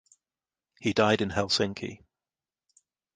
He died in Helsinki.